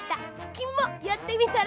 きみもやってみたら？